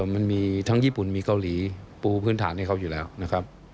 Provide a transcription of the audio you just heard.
มันมีทั้งญี่ปุ่นมีเกาหลีปูพื้นฐานให้เขาอยู่แล้วนะครับ